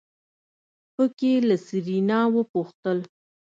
په کې له سېرېنا وپوښتل.